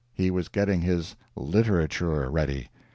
He was getting his literature ready.